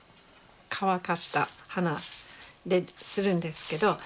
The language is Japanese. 乾かした花でするんですけど。